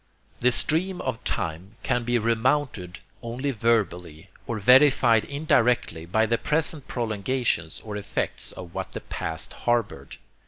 The stream of time can be remounted only verbally, or verified indirectly by the present prolongations or effects of what the past harbored.